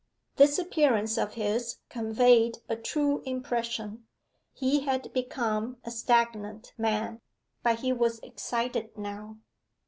This appearance of his conveyed a true impression; he had become a stagnant man. But he was excited now.